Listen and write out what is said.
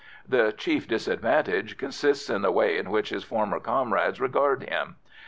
The chief disadvantage consists in the way in which his former comrades regard him.